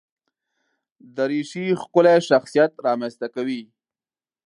دریشي ښکلی شخصیت رامنځته کوي.